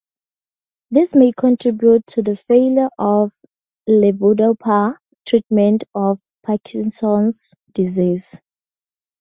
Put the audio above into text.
This may contribute to the failure of levodopa treatment of Parkinson's disease.